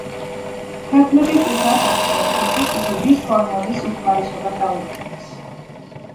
თერთმეტი წლის ასაკში მესის ზრდის ჰორმონის უკმარისობა დაუდგინეს.